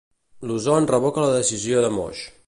Luzón revoca la decisió de Moix.